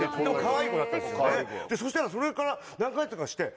そしたらそれから何か月かして。